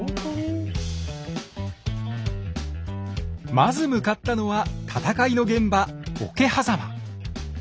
まず向かったのは戦いの現場桶狭間。